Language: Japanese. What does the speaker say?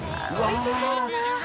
おいしそうだな。